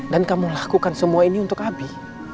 dan kamu lakukan semua ini untuk abi